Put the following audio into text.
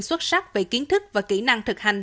xuất sắc về kiến thức và kỹ năng thực hành